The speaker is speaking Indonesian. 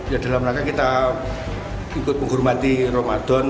ya dalam rangka kita ikut menghormati ramadan